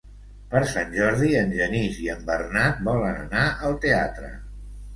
Per Sant Jordi en Genís i en Bernat volen anar al teatre.